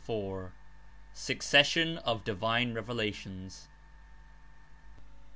«4 SUCCESSION OF DIVINE REVELATIONS.